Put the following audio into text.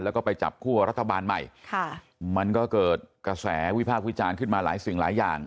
แล้วก็ไปจับคั่วรัฐบาลใหม่ค่ะมันก็เกิดกระแสวิพากษ์วิจารณ์ขึ้นมาหลายสิ่งหลายอย่าง